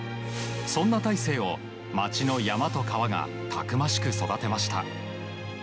そんな大勢を町の山と川がたくましく育てました。